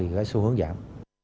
lại xu hướng giảm